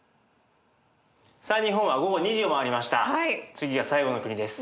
次が最後の国です。